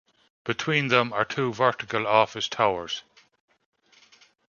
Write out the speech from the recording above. Between them are two vertical office towers.